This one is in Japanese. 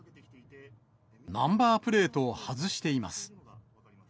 ナンバープレートを外しています。